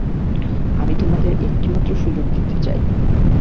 আমি তোমাদের মাত্র একটি সুযোগ দিতে চাই।